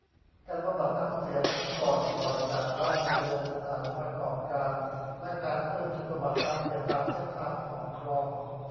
การบำบัดน้ำเสียทั้งก่อนปล่อยจากบ้านเรือน สถานประกอบการ และ การเพิ่มจุดบำบัดน้ำเสียตามเส้นทางของคลอง